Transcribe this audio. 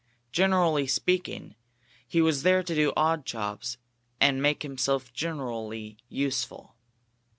Generally speaking, he was there to do odd jobs and make himself generally useful.